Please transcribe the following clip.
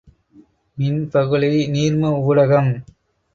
மின்பகுளி நீர்ம ஊடகம்.